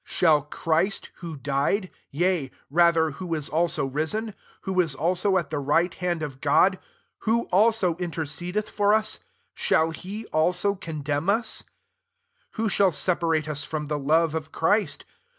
Shall Christ who died ; yea, rather, who is [aUo] risen; who is [also] at the right hand of God ; who also inter cedeth for us ; ahall he aiso cort' demn ua f 35 Who shall separate us from the love of Christ